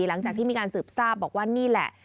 หลังจากที่มีการสืบทราบบอกว่านี่แหละ